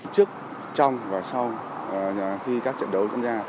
trước trong và sau khi các trận đấu diễn ra